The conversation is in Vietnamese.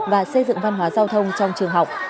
và xây dựng văn hóa giao thông trong trường học